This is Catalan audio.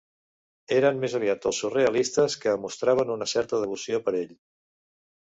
Eren més aviat els surrealistes que mostraven una certa devoció per ell.